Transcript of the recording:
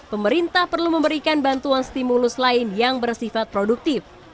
pemerintah perlu memberikan bantuan stimulus lain yang bersifat produktif